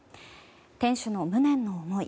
店主の無念の思い。